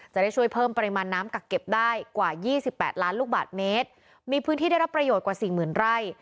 จะได้ช่วยเพิ่มปริมาณน้ำกักเก็บได้กว่ายี่สิบแปดล้านลูกบาทเมตรมีพื้นที่ได้รับประโยชน์กว่าสี่หมื่นไร่